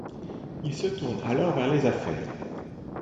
Il se tourne alors vers les affaires.